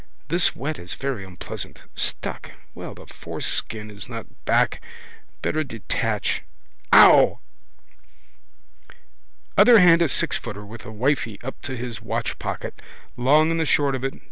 This wet is very unpleasant. Stuck. Well the foreskin is not back. Better detach. Ow! Other hand a sixfooter with a wifey up to his watchpocket. Long and the short of it.